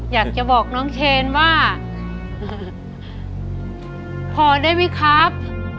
อยากจะบอกน้องเชนว่าพอได้ไหมครับ